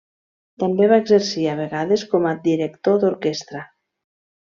També va exercir a vegades com a director d'orquestra.